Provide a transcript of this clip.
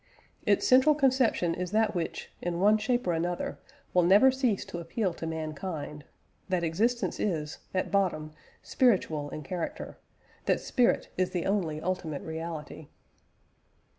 Its central conception is that which, in one shape or another, will never cease to appeal to mankind that existence is, at bottom, spiritual in character that spirit is the only ultimate reality.